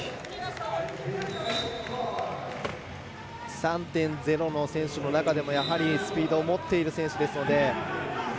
３．０の選手の中でもスピードを持っている選手ですので。